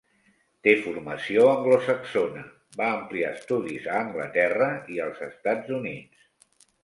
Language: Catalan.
Té formació anglosaxona -va ampliar estudis a Anglaterra i als Estats Units-.